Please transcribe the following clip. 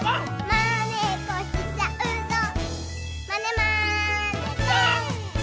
「まねっこしちゃうぞまねまねぽん！」